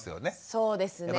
そうですね。